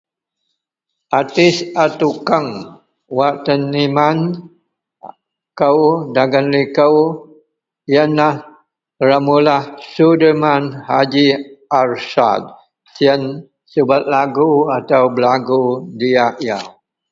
Artis a tukeng wak teniman kou dagen likou yenlah remulah Sudirman Hj Arsad. Siyen subet lagu atau belagu diyak yau